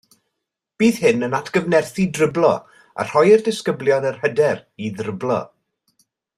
Bydd hyn yn atgyfnerthu driblo a rhoi i'r disgyblion yr hyder i ddriblo